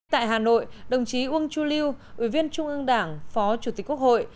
tại hà nội đồng chí uông chu lưu ủy viên trung ương đảng phó chủ tịch quốc hội